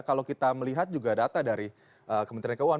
kalau kita melihat juga data dari kementerian keuangan